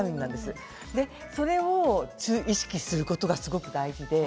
その時に、それを意識することがすごく大事です。